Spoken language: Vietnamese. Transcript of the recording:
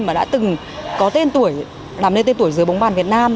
mà đã từng có tên tuổi làm nên tên tuổi dưới bóng bàn việt nam